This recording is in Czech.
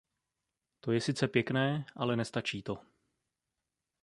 To je sice pěkné, ale nestačí to.